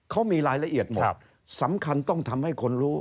เขามีรายละเอียดหมดสำคัญต้องทำให้คนรู้